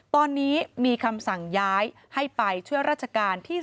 ตอนนี้มีคำสั่งย้ายให้ไปช่วยราชการที่๓